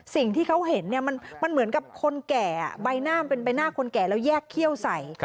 สิ่งที่เขาเห็นมันเหมือนกับคนแก่ใบหน้ามันเป็นใบหน้าคนแก่แล้วแยกเขี้ยวใส่